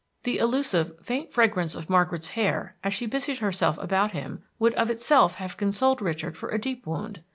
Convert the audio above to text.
The elusive faint fragrance of Margaret's hair as she busied herself about him would of itself have consoled Richard for a deep wound.